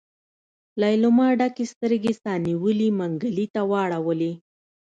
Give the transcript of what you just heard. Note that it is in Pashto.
ليلما ډکې سترګې سا نيولي منګلي ته واړولې.